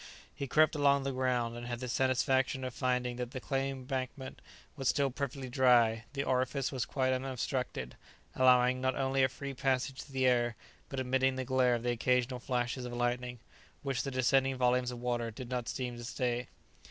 He crept along the ground and had the satisfaction of finding that the clay embankment was still perfectly dry; the orifice was quite unobstructed, allowing not only a free passage to the air, but admitting the glare of the occasional flashes of lightning, which the descending volumes of water did not seem to stay.